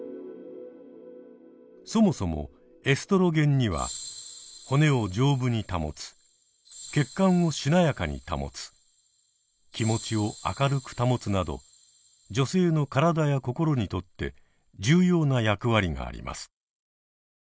そもそもエストロゲンには骨を丈夫に保つ血管をしなやかに保つ気持ちを明るく保つなど女性の体や心にとって重要な役割があります。